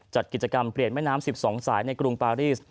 จัดกิจกรรมเปลี่ยนแม่น้ำ๑๒สายในกรุงปารีส